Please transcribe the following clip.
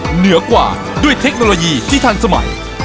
เหนือกว่าด้วยเทคโนโลยีที่ทันสมัย